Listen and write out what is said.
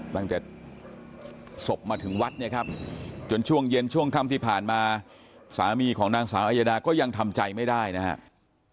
ตั้งแต่ศพมาถึงวัดเนี่ยครับจนช่วงเย็นช่วงค่ำที่ผ่านมาสามีของนางสาวอายาดาก็ยังทำใจไม่ได้นะครับ